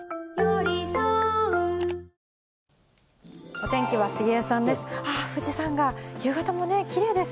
お天気は杉江さんです。